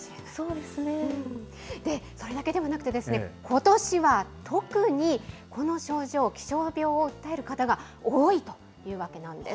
で、それだけではなくて、ことしは特にこの症状、気象病を訴える方が多いというわけなんです。